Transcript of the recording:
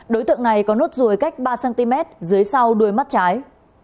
đối tượng này có nốt ruồi cách ba cm dưới sau đuôi mắt trái